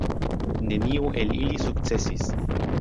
Neniu el ili sukcesis.